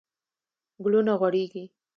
ګلونه غوړیږي